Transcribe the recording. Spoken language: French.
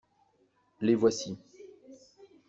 Les voici.